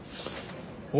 お！